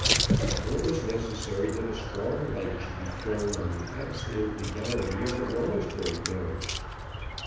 Now it was necessary that a strong light should be thrown on the absolute legality of the Rummelsburg marriage.